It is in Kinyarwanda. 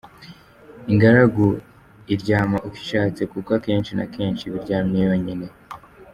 Ingaragu iryama uko ishatse kuko akenshi na kenshi iba iryamye yonyine.